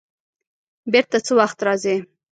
بېرته څه وخت راځې؟